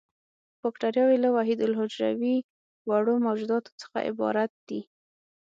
باکټریاوې له وحیدالحجروي وړو موجوداتو څخه عبارت دي.